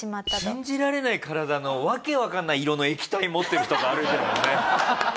信じられない体のわけわかんない色の液体持ってる人が歩いてるもんね。